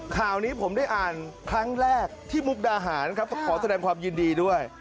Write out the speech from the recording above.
ข่าวนี้ผมได้อ่านครั้งแรกที่มุกดาหารครับขอแสดงความยินดีด้วย